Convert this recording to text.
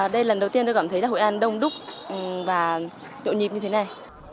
đây lần đầu tiên tôi cảm thấy là hội an đông đúc và nhộn nhịp như thế này